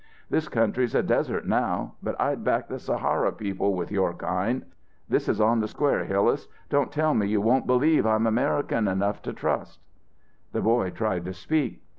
"This country's a desert now, but I'd back the Sahara peopled with your kind. This is on the square, Hillas, don't tell me you won't believe I'm American enough to trust?" The boy tried to speak.